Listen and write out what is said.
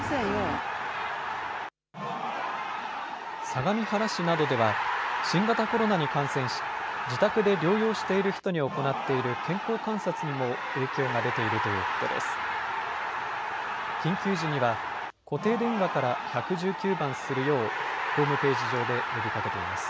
相模原市などでは新型コロナに感染し自宅で療養している人に行っている健康観察にも影響が出ているということです。